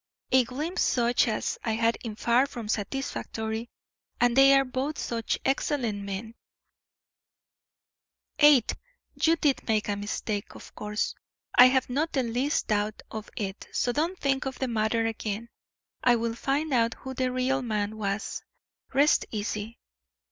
A glimpse such as I had is far from satisfactory; and they are both such excellent men " "Eight! You did make a mistake, of course, I have not the least doubt of it. So don't think of the matter again. I will find out who the real man was; rest easy."